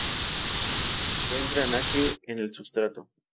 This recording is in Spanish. Buen drenaje en el sustrato.